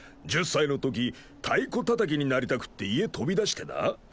１０歳の時太鼓たたきになりたくって家飛び出してな？